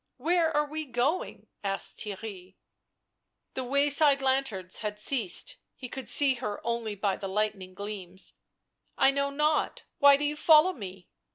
" Where are we going? —" asked Theirry. The way side lanterns had ceased ; he could sec her only by the lightning gleams. "I know not — why do you follow me?"